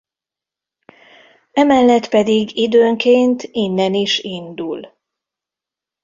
Emellett pedig időnként innen is indul.